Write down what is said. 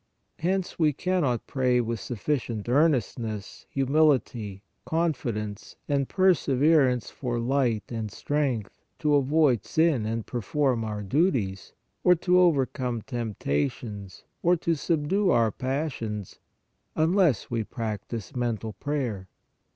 Hence we cannot pray with suf ficient earnestness, humility, confidence and persever ance for light and strength to avoid sin and perform our duties, or to overcome temptations or to subdue our passions, unless we practise mental prayer.